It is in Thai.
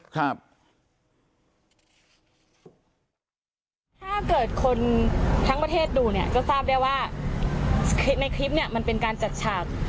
ถ้าเกิดคนทั้งประเทศดูเนี่ยก็ทราบได้ว่าในคลิปเนี่ยมันเป็นการจัดฉาก